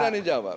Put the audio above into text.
kan berani jawab